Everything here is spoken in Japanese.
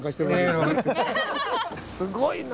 すごいな！